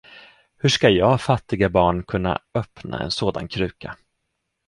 Hur ska jag, fattiga barn, kunna öppna en sådan kruka?